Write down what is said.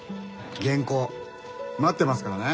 原稿待ってますからね！